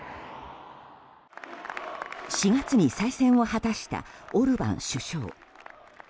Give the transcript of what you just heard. ４月に再選を果たしたオルバン首相。